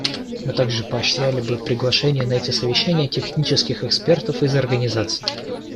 Мы также поощряли бы приглашение на эти совещания технических экспертов из организаций.